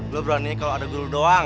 lo berani kalo ada gue doang